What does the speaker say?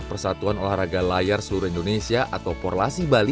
persatuan olahraga layar seluruh indonesia atau porlasi bali